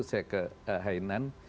saya ke hainan